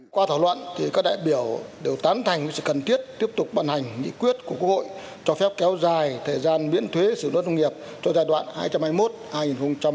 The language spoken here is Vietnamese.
qua thảo luận các đại biểu đều tán thành sự cần thiết tiếp tục bàn hành nghị quyết của quốc hội cho phép kéo dài thời gian miễn thuế sử dụng nông nghiệp cho giai đoạn hai nghìn hai mươi một hai nghìn hai mươi năm